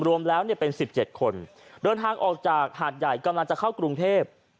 รวมแล้วเป็น๑๗คนเดินทางออกจากหาดใหญ่กำลังจะเข้ากรุงเทพ